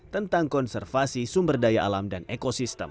tentang konservasi sumber daya alam dan ekosistem